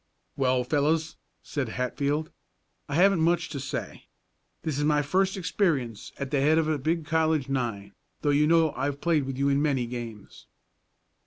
"Well, fellows," said Hatfield, "I haven't much to say. This is my first experience at the head of a big college nine, though you know I've played with you in many games."